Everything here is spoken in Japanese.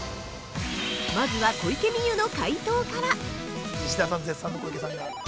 まずは小池美由の解答から！